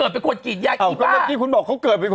เป็นคนกรีดยางไอ้บ้า